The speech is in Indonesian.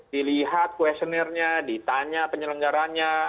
dilihat questionnaire nya ditanya penyelenggaranya